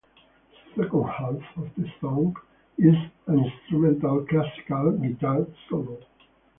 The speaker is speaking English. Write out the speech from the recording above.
The second half of the song is an instrumental classical guitar solo.